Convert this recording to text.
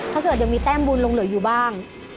ถ้าเกิดยังมีแต้มบุญลงเหลืออยู่บ้าง